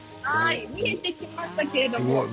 見えてきましたけれども。